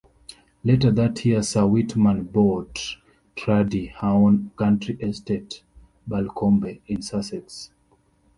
Later that year Sir Weetman bought Trudie her own country estate, Balcombe in Sussex.